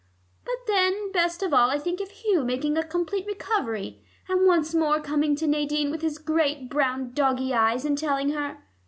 But then, best of all, I think of Hugh making a complete recovery, and once more coming to Nadine with his great brown doggy eyes, and telling her....